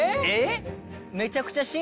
えっ！？